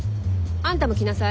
あんたも来なさい。